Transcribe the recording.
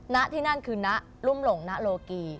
นะที่นั่นคือนะรุ้มหลงนะโลกี